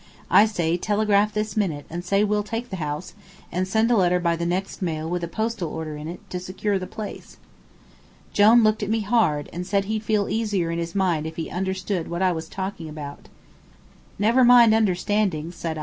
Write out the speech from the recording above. I say, telegraph this minute and say we'll take the house, and send a letter by the next mail with a postal order in it, to secure the place." Jone looked at me hard, and said he'd feel easier in his mind if he understood what I was talking about. "Never mind understanding," I said.